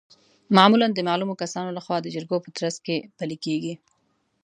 معمولا د معلومو کسانو لخوا د جرګو په ترڅ کې پلي کیږي.